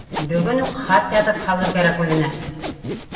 Бөгөн үк хат яҙып һалырға кәрәк үҙенә